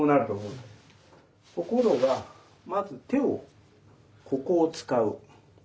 ところがまず手をここを使う。